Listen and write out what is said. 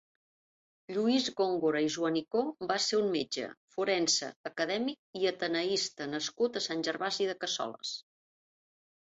Lluís Góngora i Joanicó va ser un metge, forense, acadèmic i ateneista nascut a Sant Gervasi de Cassoles.